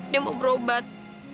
dia mau berobat